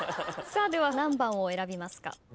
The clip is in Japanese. では何番を選びますか？